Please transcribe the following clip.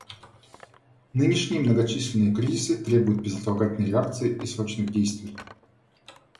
Нынешние многочисленные кризисы требуют безотлагательной реакции и срочных действий.